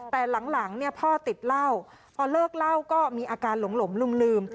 แต่หลังเนี่ยพ่อติดเหล้าพอเลิกเหล้าก็มีอาการหลงลืม